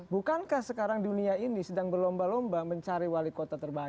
bukankah sekarang dunia ini sedang berlomba lomba mencari wali kota terbaik